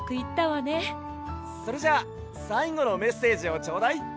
それじゃあさいごのメッセージをちょうだい！